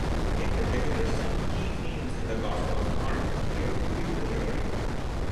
In particular, some key themes in the Gospel of Mark appeared to be literary.